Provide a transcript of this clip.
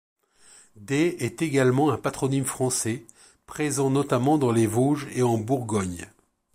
Dey est également un patronyme français, présent notamment dans les Vosges et en Bourgogne.